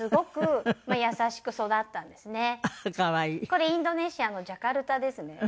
これインドネシアのジャカルタですね。